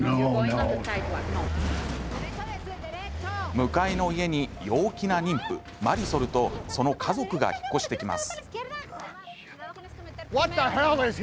向かいの家に陽気な妊婦マリソルとその家族が引っ越してきます。